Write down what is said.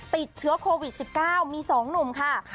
ติดเชื้อโควิด๑๙มี๒หนุ่มค่ะ